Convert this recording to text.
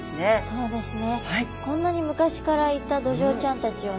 そうですね。